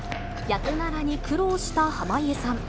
役柄に苦労した濱家さん。